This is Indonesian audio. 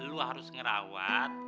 lo harus ngerawat